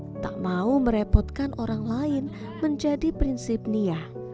dia tak mau merepotkan orang lain menjadi prinsip nia